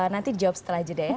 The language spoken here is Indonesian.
nanti dijawab setelah jeda ya